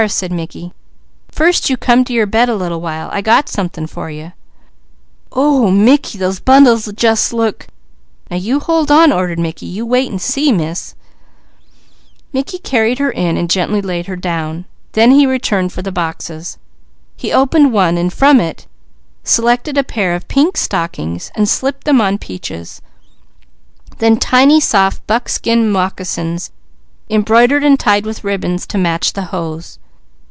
said Mickey. "First, you come to your bed a little while. I got something for you." "Ooh Mickey! Those bundles jus' look !" "Now you hold on. You wait and see, Miss!" Mickey carried her in then he returned for the boxes. He opened one and from it selected a pair of pink stockings and slipped them on Peaches; then tiny, soft buckskin moccasins embroidered and tied with ribbons to match the hose.